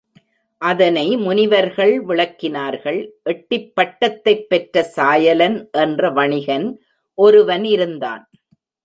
அதனை முனிவர்கள் விளக்கினார்கள் எட்டிப் பட்டத்தைப் பெற்ற சாயலன் என்ற வணிகன் ஒருவன் இருந்தான்.